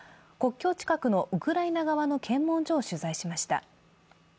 国境近くのウクライナ側の検問所を取材しました。